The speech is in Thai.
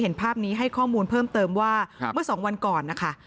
เห็นภาพนี้ให้ข้อมูลเพิ่มเติมว่าเมื่อสองวันก่อนนะคะ